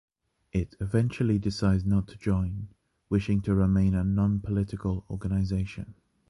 It eventually decides not to join, wishing to remain a non-political organization.